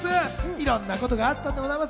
いろんなことがあったんでございます。